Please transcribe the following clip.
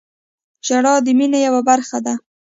• ژړا د مینې یوه برخه ده.